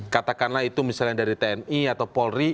katakanlah itu misalnya dari tni atau polri